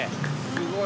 すごい。